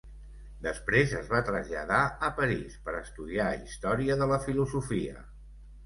Després es va traslladar a París per estudiar història de la filosofia.